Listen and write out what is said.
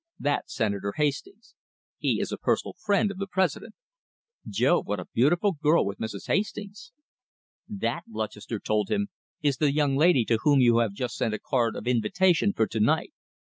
That's Senator Hastings. He is a personal friend of the President. Jove, what a beautiful girl with Mrs. Hastings!" "That," Lutchester told him, "is the young lady to whom you have just sent a card of invitation for to night."